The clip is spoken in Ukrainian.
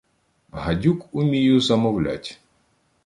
Гадюк умію замовлять.